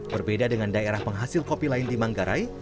berbeda dengan daerah penghasil kopi lain di manggarai